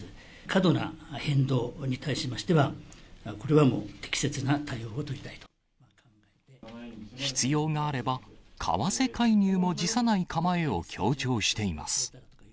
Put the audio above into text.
過度な変動に対しましては、これはもう、適切な対応を取りた必要があれば、為替介入も辞さない構えを強調しています。